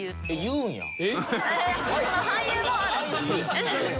俳優もある。